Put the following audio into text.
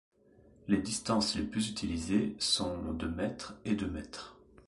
Les distances les plus utilisées sont de mètres et de mètres..